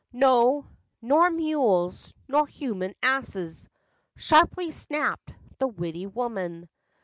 "No, nor mules, nor human asses !" Sharply snapped the witty woman.